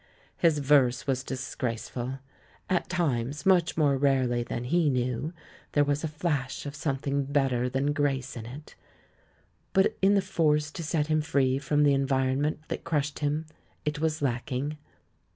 His verse was disgrace ful ; at times — much more rarely than he knew — there was a flash of something better than grace in it; but in the force to set him free from the environment that crushed him it was lacking.